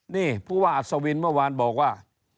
นี่ผู้ว่าอัศวินเมื่อวานบอกว่า